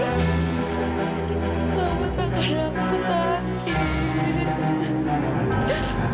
mama takut aku sakit